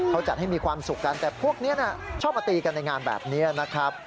เขาจัดให้มีความสุขกันแต่พวกนี้ชอบมาตีกันในงานแบบนี้นะครับ